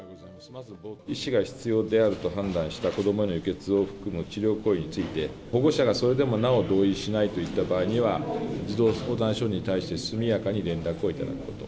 医師が必要であると判断した子どもの輸血を含む治療行為について、保護者がそれでもなお同意しないといった場合には、児童相談所に対して速やかに連絡を頂くこと。